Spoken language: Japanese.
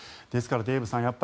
ですから、デーブさん